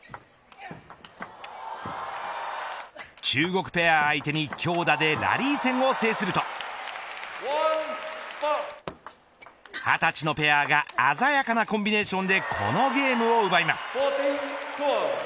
中国ペア相手に強打でラリー戦を制すると２０歳のペアが鮮やかなコンビネーションでこのゲームを奪います。